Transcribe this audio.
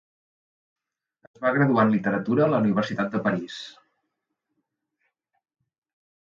Es va graduar en literatura a la Universitat de París.